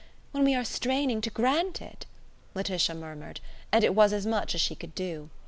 when we are straining to grant it!" Laetitia murmured, and it was as much as she could do.